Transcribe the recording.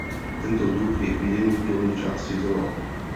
Tento druh je k vidění v dolní části zoo.